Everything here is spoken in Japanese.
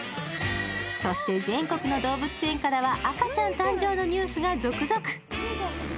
そして全国の動物園からは赤ちゃん誕生のニュースが続々。